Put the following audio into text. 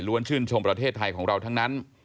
ชื่นชมประเทศไทยของเราทั้งนั้น